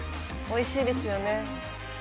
美味しいですよね。